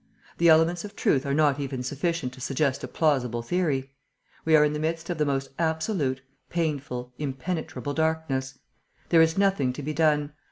The elements of truth are not even sufficient to suggest a plausible theory. We are in the midst of the most absolute, painful, impenetrable darkness. There is nothing to be done.